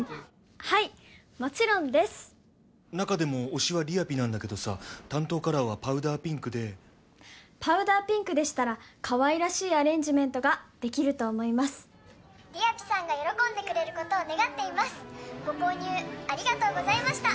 はいもちろんです中でも推しはりあぴなんだけどさ担当カラーはパウダーピンクでパウダーピンクでしたらかわいらしいアレンジメントができると思いますりあぴさんが喜んでくれることを願っていますご購入ありがとうございました